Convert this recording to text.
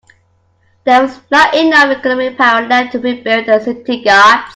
There was not enough economic power left to rebuild the city guards.